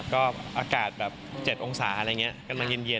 ก็อากาศแบบ๗องศาอะไรอย่างนี้